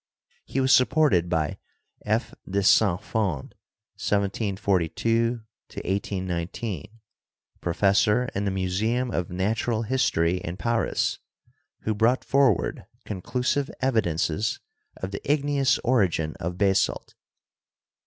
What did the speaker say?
He was supported by F. de Saint Fond (1742 1819), professor in the Museum of Natural History in Paris, who brought forward conclusive evidences of the igneous origin of basalt.